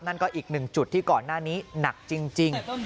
นั่นก็อีกหนึ่งจุดที่ก่อนหน้านี้หนักจริง